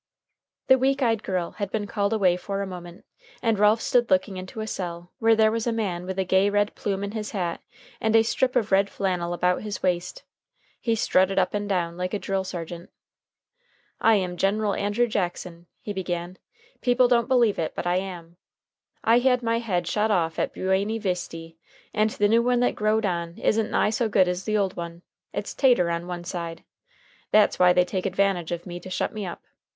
The weak eyed girl had been called away for a moment, and Ralph stood looking into a cell, where there was a man with a gay red plume in his hat and a strip of red flannel about his waist. He strutted up and down like a drill sergeant. "I am General Andrew Jackson," he began. "People don't believe it, but I am. I had my head shot off at Bueny Visty, and the new one that growed on isn't nigh so good as the old one; it's tater on one side. That's why they take advantage of me to shut me up.